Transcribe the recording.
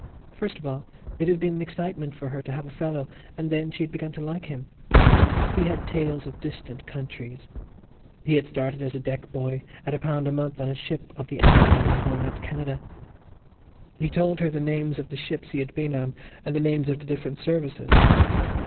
First of all it had been an excitement for her to have a fellow and then she had begun to like him. He had tales of distant countries. He had started as a deck boy at a pound a month on a ship of the Allan Line going out to Canada. He told her the names of the ships he had been on and the names of the different services.